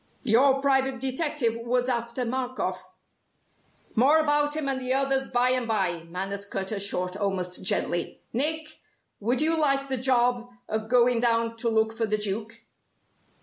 Your private detective was after Markoff " "More about him and the others by and by," Manners cut her short almost gently, "Nick, would you like the job of going down to look for the Duke?"